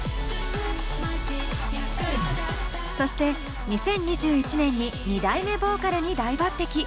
そして２０２１年に２代目ボーカルに大抜てき！